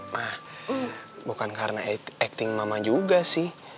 nah bukan karena acting mama juga sih